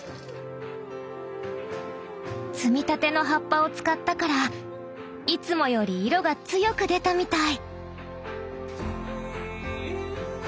摘みたての葉っぱを使ったからいつもより色が強く出たみたい！